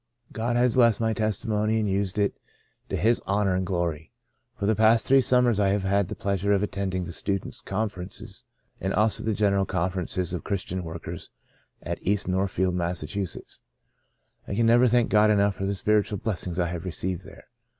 God has blessed my testimony and used it to His honour and glory. For the past three summers I have had the pleasure of attending the Students' Conferences and also the General Conferences of Christian Workers at East Northfield, Mass. I can never thank God enough for the spiritual blessings I have received there.